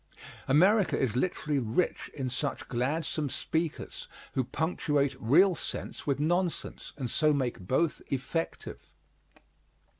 America is literally rich in such gladsome speakers, who punctuate real sense with nonsense, and so make both effective.